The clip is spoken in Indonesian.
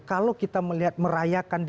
kalau kita melihat merayakan